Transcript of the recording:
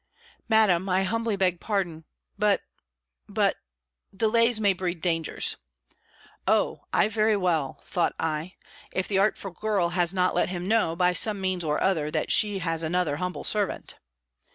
"Madam, I humbly beg pardon; but but delays may breed dangers." "Oh I very well," thought I; "if the artful girl has not let him know, by some means or other, that she has another humble servant."